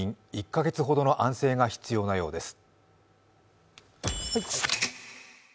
１カ月ほどの安静が必要なようです